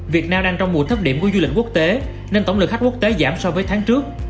việt nam đang trong mùa thấp điểm của du lịch quốc tế nên tổng lượng khách quốc tế giảm so với tháng trước